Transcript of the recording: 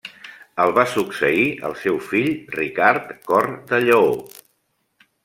El va succeir el seu fill Ricard Cor de Lleó.